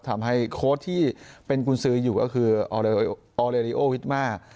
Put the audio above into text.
ทำให้โค้ดที่เป็นกุญศืออยู่ก็คือออเรลิโอวิทม่า